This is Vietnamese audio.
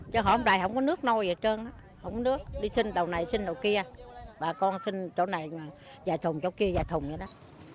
chứ hôm nay không có nước nôi gì hết trơn không có nước đi sinh đầu này sinh đầu kia bà con sinh chỗ này vài thùng chỗ kia vài thùng vậy đó